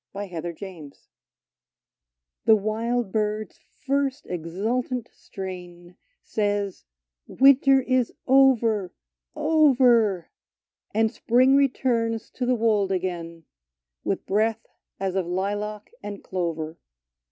22 PERSEPHONE 'T^HE wild bird's first exultant strain Says, —" Winter is over — over !" And spring returns to the wold again, With breath as of lilac and clover.